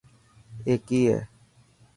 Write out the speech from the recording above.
اي ڪي هي.